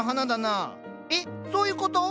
えっそういうこと？